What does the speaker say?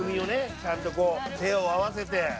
ちゃんとこう手を合わせて。